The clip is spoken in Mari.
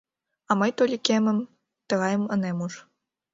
А мый Толикемым тыгайым ынем уж.